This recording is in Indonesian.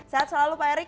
sehat selalu pak erick